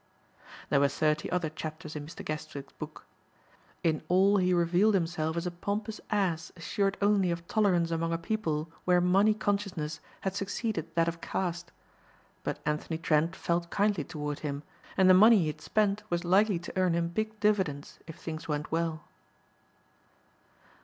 There were thirty other chapters in Mr. Guestwick's book. In all he revealed himself as a pompous ass assured only of tolerance among a people where money consciousness had succeeded that of caste. But Anthony Trent felt kindly toward him and the money he had spent was likely to earn him big dividends if things went well.